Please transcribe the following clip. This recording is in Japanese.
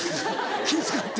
気ぃ使って。